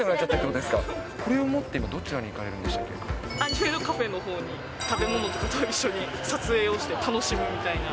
これを持って今、どちらに行かれアニメのカフェのほうに、食べ物とかと一緒に撮影をして楽しむみたいな。